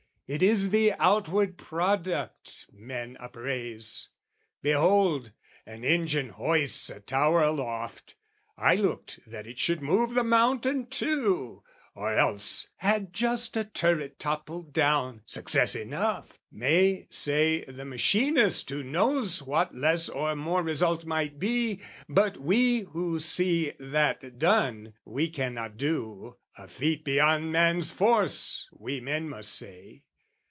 "It is the outward product men appraise. "Behold, an engine hoists a tower aloft: "'I looked that it should move the mountain too!" "Or else 'Had just a turret toppled down, "Success enough!' may say the Machinist "Who knows what less or more result might be: "But we, who see that done we cannot do, "'A feat beyond man's force,' we men must say.